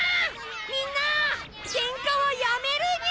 みんなケンカはやめるニャ！